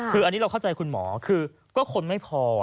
คืออันนี้เราเข้าใจคุณหมอคือก็คนไม่พอ